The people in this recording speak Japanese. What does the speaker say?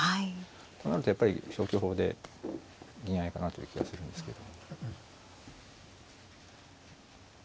となるとやっぱり消去法で銀合いかなという気がするんですけど。